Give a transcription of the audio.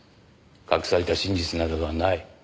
隠された真実などはない。